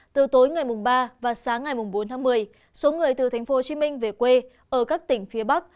từ tối ngày ba và sáng ngày bốn tháng một mươi số người từ tp hcm về quê ở các tỉnh phía bắc